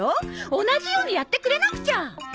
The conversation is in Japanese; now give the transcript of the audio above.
同じようにやってくれなくちゃ！